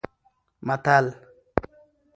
متل: